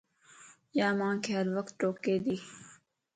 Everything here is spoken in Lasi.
يا مانک ھروقت ٽوڪي تي